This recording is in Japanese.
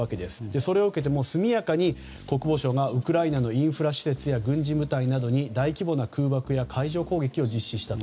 それを受けて速やかに国防省がウクライナのインフラ施設や軍事部隊などに大規模な空爆や海上攻撃を実施したと。